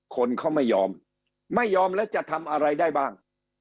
คนเขาไม่ยอมไม่ยอมแล้วจะทำอะไรได้บ้าง